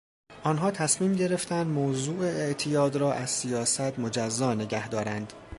آنها تصمیم گرفتند موضوع اعتیاد را از سیاست مجزا نگهدارند.